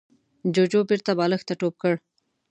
جوجو بېرته بالښت ته ټوپ کړ.